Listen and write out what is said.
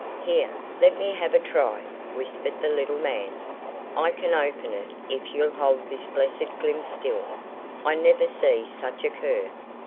"Here, let me have a try," whispered the little man. "I can open it if you'll hold this blessed glim still. I never see such a cur."